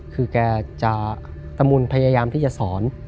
คือแกจะตะมุนพยายามที่จะสอน